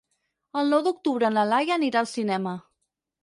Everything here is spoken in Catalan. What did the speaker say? El nou d'octubre na Laia anirà al cinema.